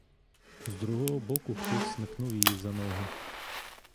З другого боку хтось смикнув її за ногу.